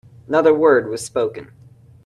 Not a word was spoken.